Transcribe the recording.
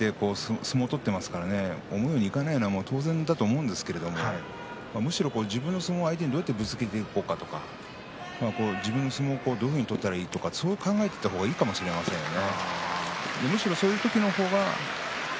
なかなか相手のことを考えて相撲を取っていますから思うようにいかないのは当然だと思うんですがむしろ自分の相撲を相手に押っつけていこうかと自分の相撲をどう取ったらいいとかそう考えた方がいいかもしれませんね。